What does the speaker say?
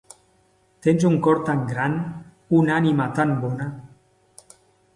Tens un cor tan gran, una ànima tan bona.